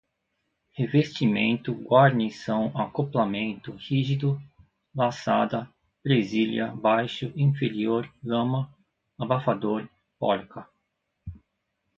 revestimento, guarnição, acoplamento, rígido, laçada, presilha, baixo, inferior, lama, abafador, porca